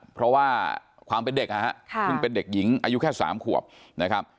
เพราะว่าความเป็นเด็กคือเป็นเด็กหญิงอายุแค่สามขวบนะครับ